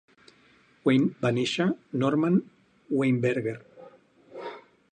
Wayne va néixer Norman Weinberger.